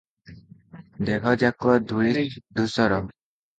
ଦେହଯାକ ଧୂଳିଧୂସର ।